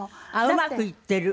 うまくいってる。